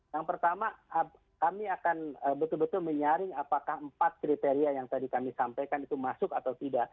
yang pertama kami akan betul betul menyaring apakah empat kriteria yang tadi kami sampaikan itu masuk atau tidak